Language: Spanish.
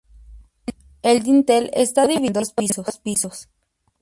El dintel está dividido en dos pisos.